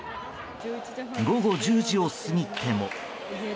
午後１０時を過ぎても。